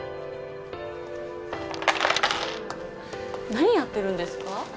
何やってるんですか？